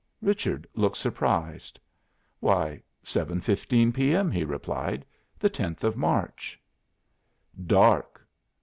Richard looked surprised. "Why, seven fifteen P. M.," he replied. "The tenth of March." "Dark!"